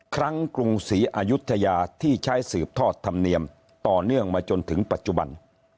ครั้งกรุงศรีอายุทยาที่ใช้สืบทอดธรรมเนียมต่อเนื่องมาจนถึงปัจจุบัน